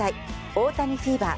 大谷フィーバー